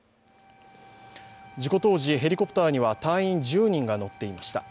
事故当時、ヘリコプターには隊員１０人が乗っていました。